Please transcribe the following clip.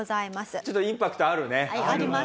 ちょっとインパクトあるね。あります。